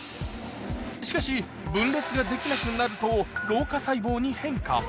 しかし分裂ができなくなると老化細胞に変化